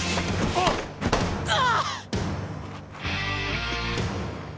ああ！